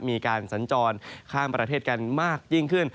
มีการสัญจรข้ามประเทศกันมากยิ่งขึ้น